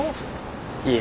いえ。